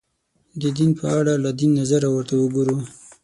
د دین په اړه له دین نظره ورته وګورو